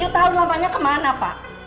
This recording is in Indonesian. tujuh tahun lamanya kemana pak